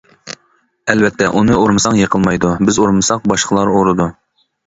ئەلۋەتتە، ئۇنى ئۇرمىساڭ يىقىلمايدۇ، بىز ئۇرمىساق، باشقىلار ئۇرىدۇ.